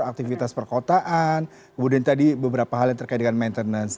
aktivitas perkotaan kemudian tadi beberapa hal yang terkait dengan maintenance